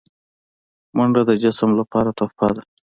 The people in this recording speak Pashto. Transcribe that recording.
منډه د جسم لپاره تحفه ده